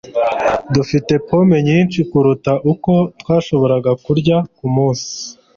Dufite pome nyinshi kuruta uko twashoboraga kurya kumunsi.